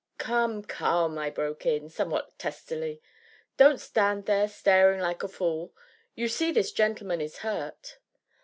"Come, come," I broke in, somewhat testily, "don't stand there staring like a fool you see this gentleman is hurt."